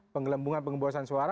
penggelembungan pengeborasan suara